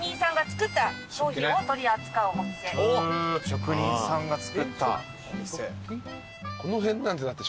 職人さんが作った店。